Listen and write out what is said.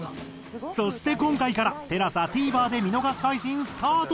そして今回からＴＥＬＡＳＡＴＶｅｒで見逃し配信スタート！